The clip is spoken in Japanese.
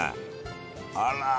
あら！